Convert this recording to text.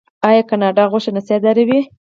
آیا کاناډا غوښه نه صادروي؟